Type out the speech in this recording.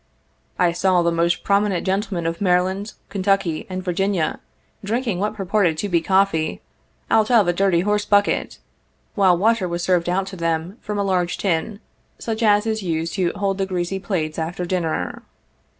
— I saw the most prominent gentlemen of Maryland, Kentucky and Virginia drinking what purported to be coffee, out of a dirty horse bucket, while water was served out to them from a large tin, such as is used to hold the greasy plates after dinner.